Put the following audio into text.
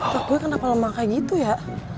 kak gue kenapa lemah kayak gitu ya